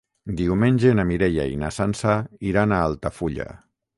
Diumenge na Mireia i na Sança iran a Altafulla.